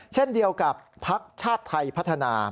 เช่นเดียวกับพักชาติไทยพัฒนา